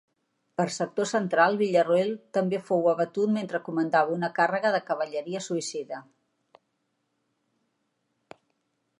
Per sector central Villarroel també fou abatut mentre comandava una càrrega de cavalleria suïcida.